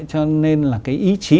cho nên là cái ý chí